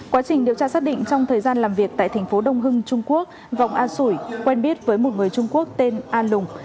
quá trình điều tra xác định trong thời gian làm việc tại thành phố đông hưng trung quốc vọng a sủi quen biết với một người trung quốc tên a lùng